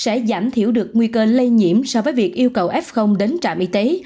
sẽ giảm thiểu được nguy cơ lây nhiễm so với việc yêu cầu f đến trạm y tế